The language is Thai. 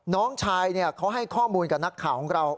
น้องชายเขาให้ข้อมูลกับนักข่าวของเรา